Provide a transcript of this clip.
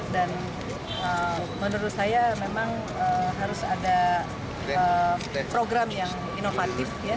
dan menurut saya memang harus ada program yang inovatif